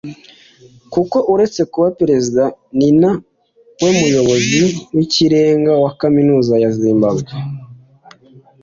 kuko uretse kuba Perezida ninawe muyobozi w’ikirenga wa Kaminuza ya Zimbabwe